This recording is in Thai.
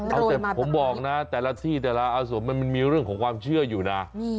เอาแต่ผมบอกนะแต่ละที่แต่ละอาสมมันมีเรื่องของความเชื่ออยู่นะ